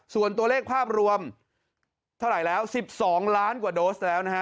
ส่วนตัวเลขภาพรวมเท่าไหร่แล้ว๑๒ล้านกว่าโดสแล้วนะฮะ